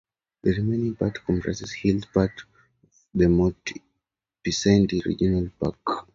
The remaining part comprises hills part of the Monti Picentini Regional Park.